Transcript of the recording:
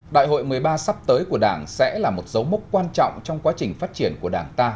đại hội một mươi ba sắp tới của đảng sẽ là một dấu mốc quan trọng trong quá trình phát triển của đảng ta